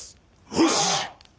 よし！